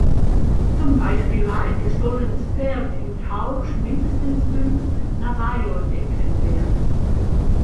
Zum Beispiel war ein gestohlenes Pferd im Tausch mindestens fünf Navajo-Decken wert.